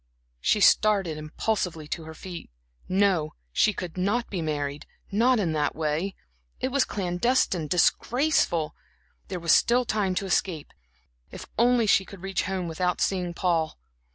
She started impulsively to her feet. No, she could not be married not in that way; it was clandestine, disgraceful. There was still time to escape. If only she could reach home, without seeing Paul!